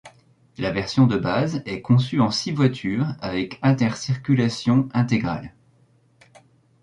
La version de base est conçue en six voitures avec intercirculation intégrale.